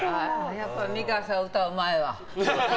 やっぱり美川さんは歌うまいわ。